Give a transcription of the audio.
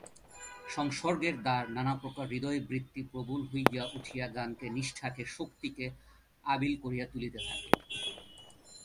সংসর্গের দ্বার নানাপ্রকার হৃদয়বৃত্তি প্রবল হইয়া উঠিয়া জ্ঞানকে নিষ্ঠাকে শক্তিকে আবিল করিয়া তুলিতে থাকে।